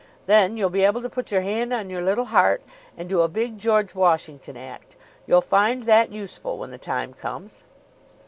Then you'll be able to put your hand on your little heart and do a big George Washington act. You'll find that useful when the time comes."